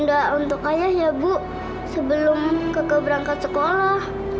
udah untuk ayah ya bu sebelum kakak berangkat sekolah